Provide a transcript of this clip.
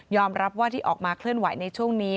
รับว่าที่ออกมาเคลื่อนไหวในช่วงนี้